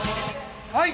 はい！